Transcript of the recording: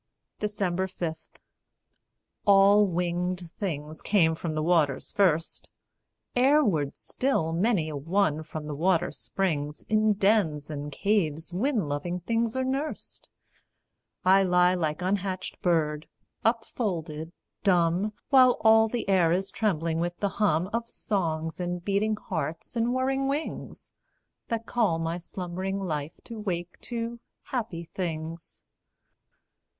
5. All winged things came from the waters first; Airward still many a one from the water springs In dens and caves wind loving things are nursed: I lie like unhatched bird, upfolded, dumb, While all the air is trembling with the hum Of songs and beating hearts and whirring wings, That call my slumbering life to wake to happy things.